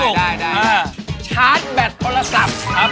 ได้ชาร์จแบตโทรศัพท์